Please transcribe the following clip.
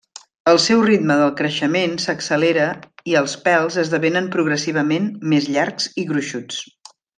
El seu ritme del creixement s'accelera i els pèls esdevenen progressivament més llargs i gruixuts.